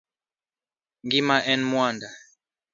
Ngima en mwanda.